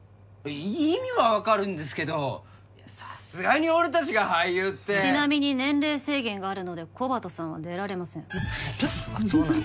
意味は分かるんですけどさすがに俺達が俳優ってちなみに年齢制限があるのでコバトさんは出られませんあっそうなんだ